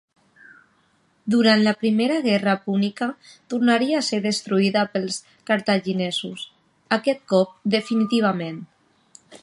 Durant la Primera guerra púnica tornaria a ser destruïda pels cartaginesos, aquest cop definitivament.